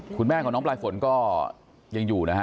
คุณแม่ของน้องปลายฝนก็ยังอยู่นะฮะ